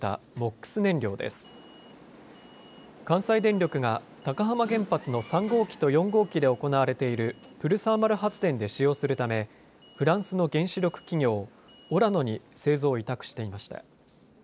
関西電力が高浜原発の３号機と４号機で行われているプルサーマル発電で使用するためフランスの原子力企業、オラノに製造を委託していました。